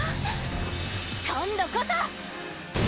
今度こそ！